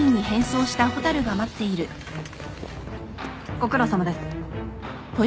ご苦労さまです。